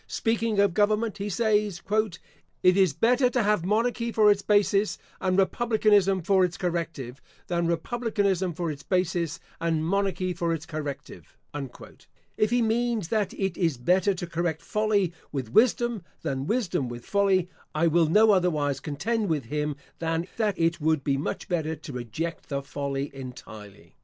Speaking of government, he says, "It is better to have monarchy for its basis, and republicanism for its corrective, than republicanism for its basis, and monarchy for its corrective." If he means that it is better to correct folly with wisdom, than wisdom with folly, I will no otherwise contend with him, than that it would be much better to reject the folly entirely.